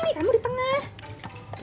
kamu di tengah